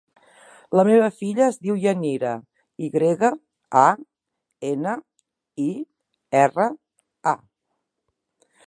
La meva filla es diu Yanira: i grega, a, ena, i, erra, a.